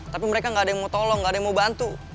tapi mereka nggak ada yang mau tolong nggak ada yang mau bantu